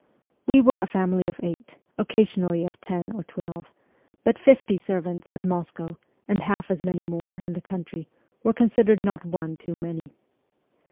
We were a family of eight, occasionally of ten or twelve ; but fifty servants at Moscow, and half as many more in the country, were considered not one too many.